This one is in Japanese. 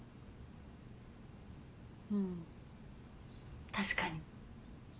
うん確かに。